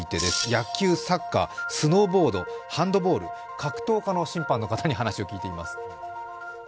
野球、サッカー、スノーボード、ハンドボール、格闘家の審判の方に話を聞いています。